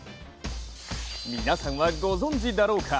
皆さんはご存じだろうか。